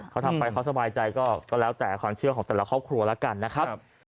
เขาทำไปเขาสบายใจก็แล้วแต่ความเชื่อของแต่ละครอบครัวแล้วกันนะครับ